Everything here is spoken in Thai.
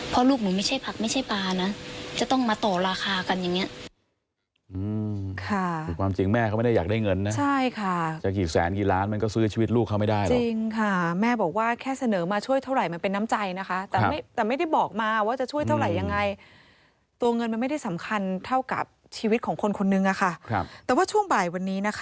เพราะลูกหนูไม่ใช่ผักไม่ใช่ปลานะจะต้องมาโตราคากันอย่างเนี้ยค่ะความจริงแม่เขาไม่ได้อยากได้เงินนะใช่ค่ะจะกี่แสนกี่ล้านมันก็ซื้อชีวิตลูกเขาไม่ได้หรอกจริงค่ะแม่บอกว่าแค่เสนอมาช่วยเท่าไหร่มันเป็นน้ำใจนะคะแต่ไม่แต่ไม่ได้บอกมาว่าจะช่วยเท่าไหร่ยังไงตัวเงินมันไม่ได้สำคัญเท่ากับชีว